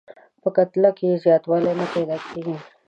په کتله کې یې زیاتوالی نه پیدا کیږي.